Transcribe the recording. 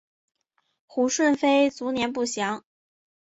胡顺妃卒年不详。